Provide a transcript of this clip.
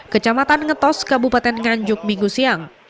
kecamatan ngetos kabupaten nganjuk minggu siang